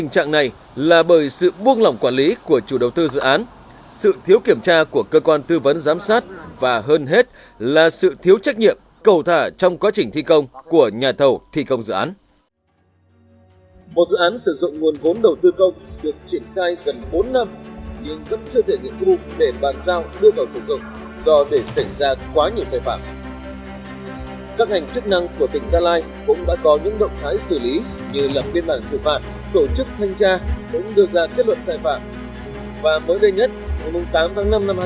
câu trả lời xin dành cho các ngành chức năng của đức thái lạnh